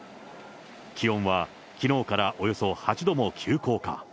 気温はきのうからおよそ８度も急降下。